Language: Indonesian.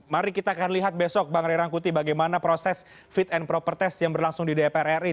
mari kita akan lihat besok bang ray rangkuti bagaimana proses fit and proper test yang berlangsung di dpr ri